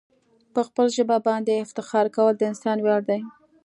په خپل ژبه باندي افتخار کول د انسان ویاړ دی.